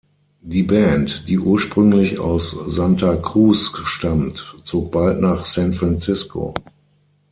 Die Band, die ursprünglich aus Santa Cruz stammt, zog bald nach San Francisco.